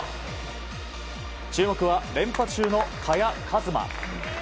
注目は連覇中の萱和磨。